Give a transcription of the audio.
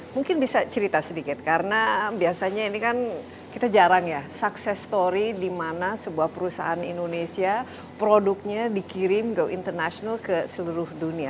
mungkin bisa cerita sedikit karena biasanya ini kan kita jarang ya sukses story di mana sebuah perusahaan indonesia produknya dikirim ke international ke seluruh dunia